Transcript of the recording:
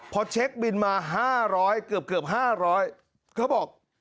พอเช็คบินมา๕๐๐เกือบ๕๐๐เขาบอก